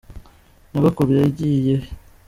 Nyogokuru yagiye he?